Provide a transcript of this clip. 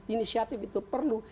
inisiatif itu perlu